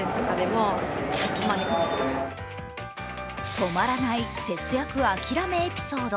止まらない節約諦めエピソード。